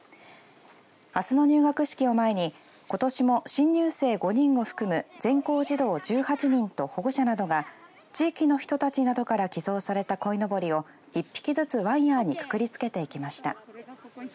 あすの入学式を前にことしも新入生５人を含む全校児童１８人と保護者などが地域の人たちなどから寄贈されたこいのぼりを一匹ずつワイヤーにくくりつけていきました。